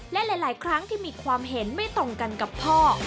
และหลายครั้งที่มีความเห็นไม่ตรงกันกับพ่อ